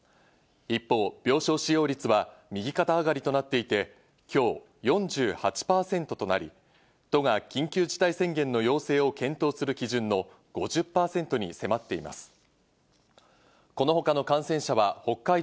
一方、病床使用率は右肩上がりとなっていて、きょう、４８％となり、都が緊急事態宣言の要請を検討する基準の５０％に迫っています。